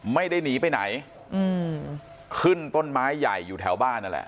ไม่ได้หนีไปไหนอืมขึ้นต้นไม้ใหญ่อยู่แถวบ้านนั่นแหละ